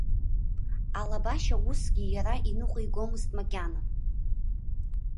Алабашьа усгьы иара иныҟәигомызт макьана.